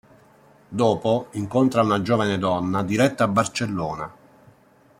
Dopo incontra una giovane donna diretta a Barcellona.